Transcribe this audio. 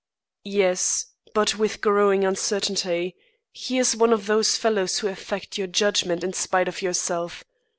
"Yes, but with growing uncertainty. He's one of those fellows who affect your judgment in spite of yourself.